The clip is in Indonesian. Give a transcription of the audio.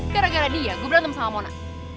gara gara dia gue berantem sama mona